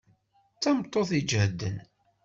D tameṭṭut iǧehden.